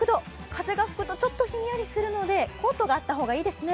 風が吹くとちょっとひんやりするので、コートがあった方がいいですね。